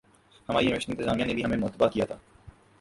ہماری یونیورسٹی انتظامیہ نے بھی ہمیں متبنہ کیا تھا